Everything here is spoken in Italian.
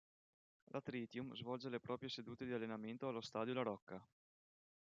La Tritium svolge le proprie sedute di allenamento allo stadio La Rocca.